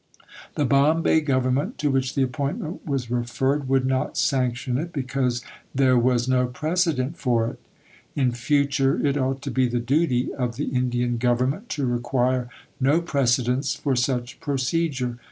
The Bombay Government, to which the appointment was referred, "would not sanction it," "because there was no precedent for it"! In future, it ought to be the duty of the Indian Government to require no precedents for such procedure.